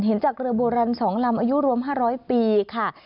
เห็นจากเรียบรรณสองลำอายุรวม๕๐๐ปีค่ะ